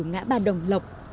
ngã ba đồng lộc